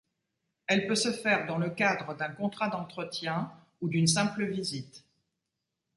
Elle peut se faire dans le cadre d'un contrat d'entretien, ou d'une simple visite.